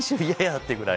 ってぐらい。